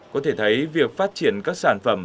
có thể thấy việc phát triển các sản phẩm